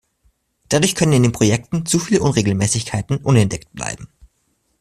Dadurch können in den Projekten zu viele Unregelmäßigkeiten unentdeckt bleiben.